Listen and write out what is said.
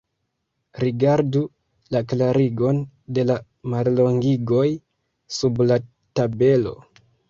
Rigardu la klarigon de la mallongigoj sub la tabelo.